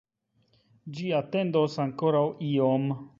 Ĝi atendos ankoraŭ iom.